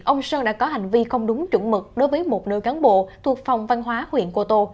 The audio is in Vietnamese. ông sơn đã có hành vi không đúng chuẩn mực đối với một nơi cán bộ thuộc phòng văn hóa huyện cô tô